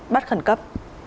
bắt khẩn cấp